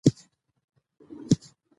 د پریکړې اعلان باید پر وخت وشي.